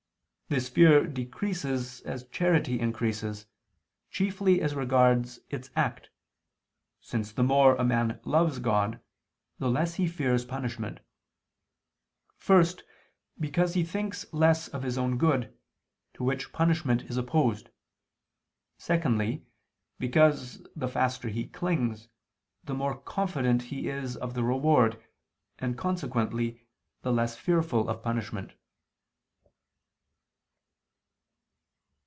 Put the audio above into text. This fear decreases as charity increases, chiefly as regards its act, since the more a man loves God, the less he fears punishment; first, because he thinks less of his own good, to which punishment is opposed; secondly, because, the faster he clings, the more confident he is of the reward, and, consequently the less fearful of punishment.